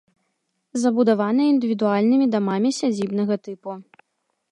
Забудаваная індывідуальнымі дамамі сядзібнага тыпу.